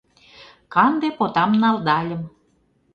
Канде потам налдальым.